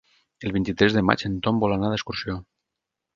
El vint-i-tres de maig en Tom vol anar d'excursió.